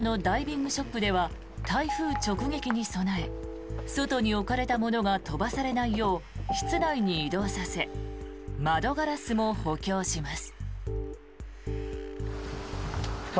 石垣島のダイビングショップでは台風直撃に備え外に置かれたものが飛ばされないよう室内に移動させ窓ガラスも補強します。